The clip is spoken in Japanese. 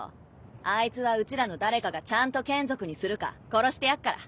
あいつはうちらの誰かがちゃんと眷属にするか殺してやっから。